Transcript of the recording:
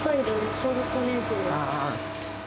小学５年生です。